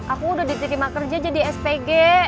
aku udah diterima kerja jadi spg